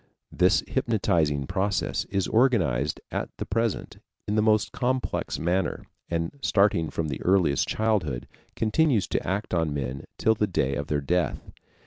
This hypnotizing process is organized at the present in the most complex manner, and starting from their earliest childhood, continues to act on men till the day of their death.